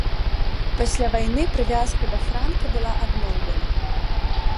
Пасля вайны прывязка да франка была адноўлена.